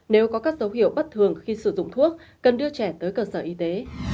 nếu có các dấu hiệu bất thường khi sử dụng thuốc cần đưa trẻ tới cơ sở y tế